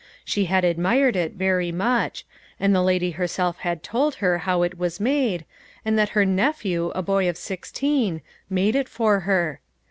She had admired it very much, and the lady herself had told her how it was made, and that her nephew, a boy of sixteen, made it for her.